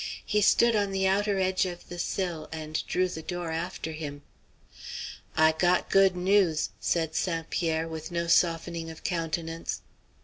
He stood on the outer edge of the sill, and drew the door after him. "I got good news," said St. Pierre, with no softening of countenance.